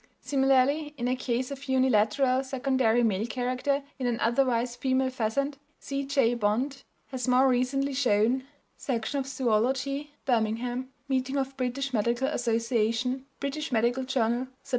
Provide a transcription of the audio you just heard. Similarly in a case of unilateral secondary male character in an otherwise female pheasant, C.J. Bond has more recently shown (Section of Zoölogy, Birmingham Meeting of British Medical Association, British Medical Journal, Sept.